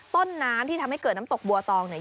ต้นน้ำที่ทำให้เกิดน้ำตกบัวตองเนี่ย